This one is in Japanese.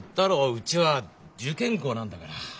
うちは受験校なんだから。